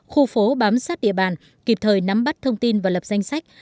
khu phố bám sát địa bàn kịp thời nắm bắt thông tin và lập danh sách